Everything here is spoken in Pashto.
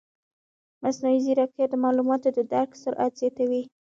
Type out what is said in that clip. مصنوعي ځیرکتیا د معلوماتو د درک سرعت زیاتوي.